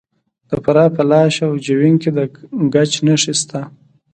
د فراه په لاش او جوین کې د ګچ نښې شته.